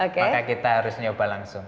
maka kita harus nyoba langsung